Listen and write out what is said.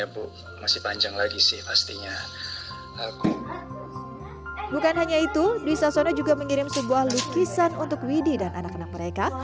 bukan hanya itu dwi sasono juga mengirim sebuah lukisan untuk widhi dan anak anak mereka